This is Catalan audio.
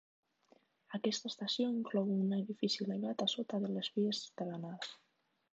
Aquesta estació inclou una edifici elevat a sota de les vies de l'andana.